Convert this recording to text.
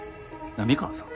波川さん？